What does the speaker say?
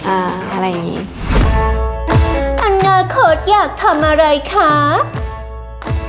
อะไรอย่างนี้